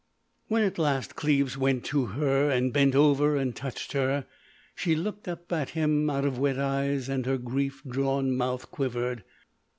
When at last Cleves went to her and bent over and touched her she looked up at him out of wet eyes, and her grief drawn mouth quivered.